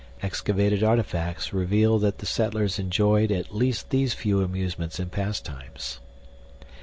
Excavated artifacts reveal that the settlers enjoyed at least these few amusements and pastimes.